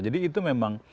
jadi itu memang